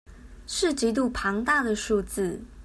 是極度龐大的數字